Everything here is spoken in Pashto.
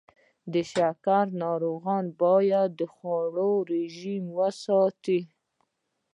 د شکر ناروغان باید د خوړو رژیم وساتي.